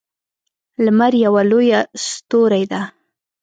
لمر یوه لویه ستوری ده